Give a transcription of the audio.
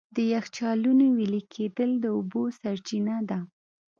د یخچالونو وېلې کېدل د اوبو سرچینه ده.